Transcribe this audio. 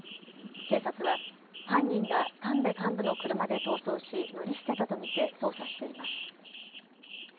警察は犯人が神部幹部の車で逃走し乗り捨てたと見て捜査しています。